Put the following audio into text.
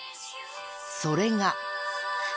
［それが］